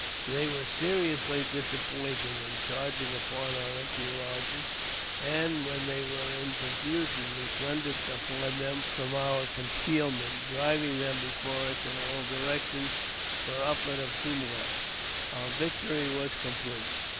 They were seriously disappointed in charging upon qui; €mpty lodges; and, while they were in confusion, we thunj dered upon them from our concealment, driving them before lis in all directions for upwards of two miles. Our victory was complete.